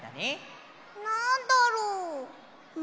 なんだろう？